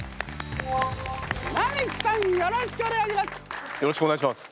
並木さんよろしくお願いします。